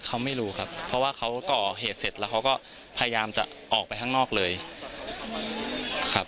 เขาไม่รู้ครับเพราะว่าเขาก่อเหตุเสร็จแล้วเขาก็พยายามจะออกไปข้างนอกเลยครับ